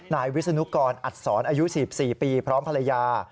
นายวิศนุกรอัดศรอายุ๔๔ปีพร้อมภรรยา